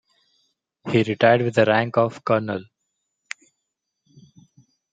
He retired with the rank of Colonel.